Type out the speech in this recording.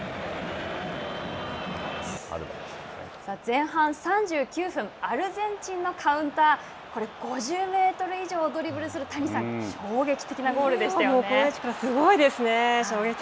前半３９分、アルゼンチンのカウンター、これ５０メートル以上をドリブルする谷さん、衝撃的なすごいですね。